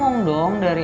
jangan sampai ya pi